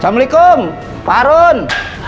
assalamu'alaikum pak harun